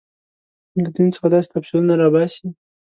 له دین څخه داسې تفسیرونه راباسي.